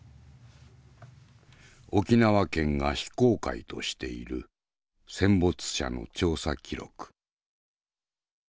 沖縄県が非公開としている戦没者の調査記録。